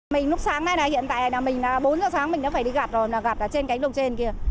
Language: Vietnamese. mình lúc sáng nay bốn giờ sáng mình đã phải đi gặp trên cánh đồng trên kia